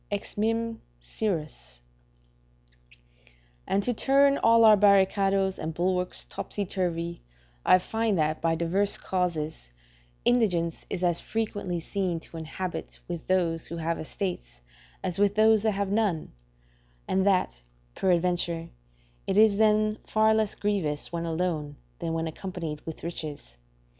Ex Mim. P. Syrus.] and to turn all our barricadoes and bulwarks topsy turvy, I find that, by divers causes, indigence is as frequently seen to inhabit with those who have estates as with those that have none; and that, peradventure, it is then far less grievous when alone than when accompanied with riches.